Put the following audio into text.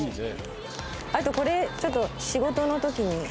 あとこれちょっと仕事のときに。